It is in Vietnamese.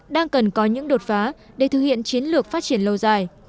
đang cần có những đột phá để thực hiện chiến lược phát triển lâu dài